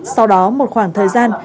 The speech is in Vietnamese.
sau đó một khoảng thời gian